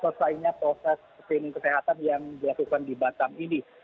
selesainya proses screening kesehatan yang dilakukan di batam ini